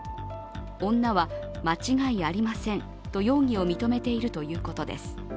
女は、間違いありませんと容疑を認めているということです。